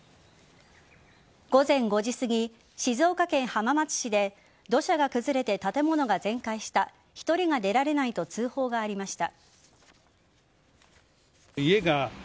午前５時すぎ静岡県浜松市で土砂が崩れて建物が全壊した１人が出られないと通報がありました。